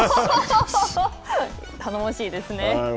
頼もしいですね。